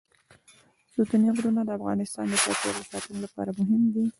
ستوني غرونه د افغانستان د چاپیریال ساتنې لپاره مهم دي.